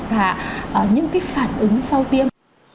và những cái phản ứng sau tiêm